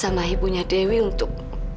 sama ibunya dewi untuk